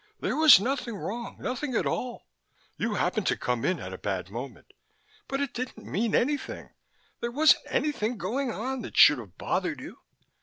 "There was nothing wrong, nothing at all. You happened to come in at a bad moment, but it didn't mean anything, there wasn't anything going on that should have bothered you...."